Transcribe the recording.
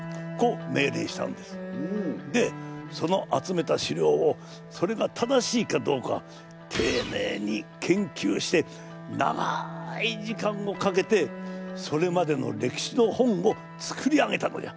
でその集めた史料をそれが正しいかどうかていねいに研究して長い時間をかけてそれまでの歴史の本を作り上げたのじゃ。